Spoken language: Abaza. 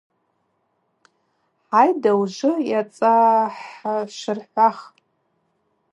Хӏайда, ужвы йацӏахӏшвырхӏвах.